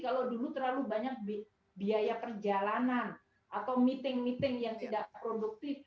kalau dulu terlalu banyak biaya perjalanan atau meeting meeting yang tidak produktif